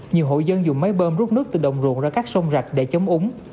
nhiều hộ dân dùng máy bơm rút nước từ đồng ruộng ra các sông rạch để chống úng